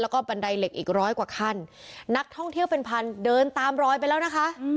แล้วก็บันไดเหล็กอีกร้อยกว่าขั้นนักท่องเที่ยวเป็นพันเดินตามรอยไปแล้วนะคะ